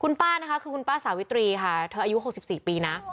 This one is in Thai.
ป้านะคะคือคุณป้าสาวิตรีค่ะเธออายุ๖๔ปีนะ